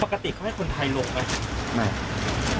ปกติเขาให้คนไทยลงไหมไม่